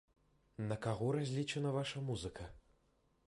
На каго разлічана ваша музыка?